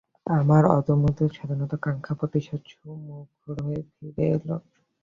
আমার অবদমিত স্বাধীনতা-কাঙ্ক্ষা প্রতিশোধ-মুখর হয়ে ফিরে এলো।